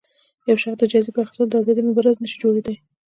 يو شخص د جايزې په اخیستو د ازادۍ مبارز نه شي جوړېدای